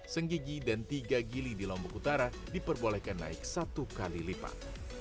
senggigi dan tiga gili di lombok utara diperbolehkan naik satu kali lipat